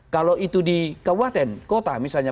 kalau itu di kabupaten kota misalnya